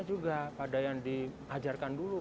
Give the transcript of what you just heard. juga pada yang diajarkan dulu